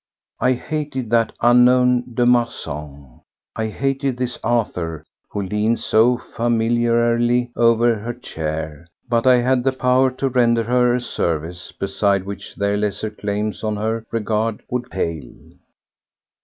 I hated that unknown de Marsan. I hated this Arthur who leaned so familiarly over her chair, but I had the power to render her a service beside which their lesser claims on her regard would pale.